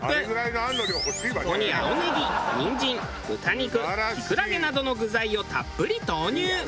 そこに青ネギにんじん豚肉キクラゲなどの具材をたっぷり投入。